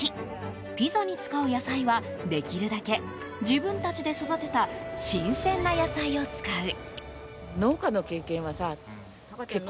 ピザに使う野菜はできるだけ自分たちで育てた新鮮な野菜を使う。